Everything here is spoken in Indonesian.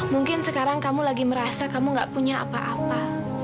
mungkin sekarang kamu lagi merasa kamu gak punya apa apa